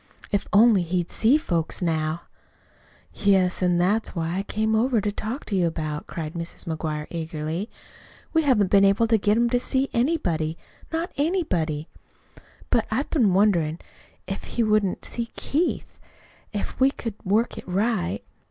"If only he'd see folks now." "Yes, an' that's what I came over to talk to you about," cried Mrs. McGuire eagerly. "We haven't been able to get him to see anybody not anybody. But I've been wonderin' if he wouldn't see Keith, if we could work it right.